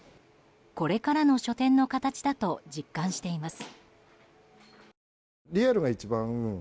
これからの書店の形だと実感しています。